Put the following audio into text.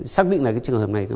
xác định là cái trường hợp này